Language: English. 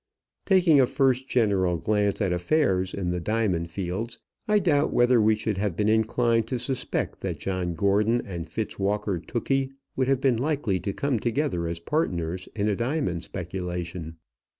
Taking a first general glance at affairs in the diamond fields, I doubt whether we should have been inclined to suspect that John Gordon and Fitzwalker Tookey would have been likely to come together as partners in a diamond speculation.